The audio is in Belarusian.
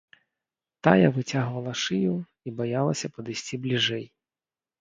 Тая выцягвала шыю і баялася падысці бліжэй.